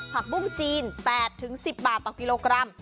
ผักบุ้งจีน๘๑๐บาทต่อกิโลกรัม